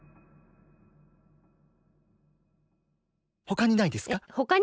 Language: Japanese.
ほかにないですか？